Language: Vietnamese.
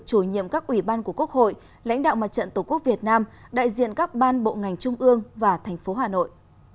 chủ nhiệm các ủy ban của quốc hội lãnh đạo mặt trận tổ quốc việt nam đại diện các ban bộ ngành trung ương và thành phố hà nội